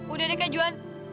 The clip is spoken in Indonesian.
udah deh kak juhan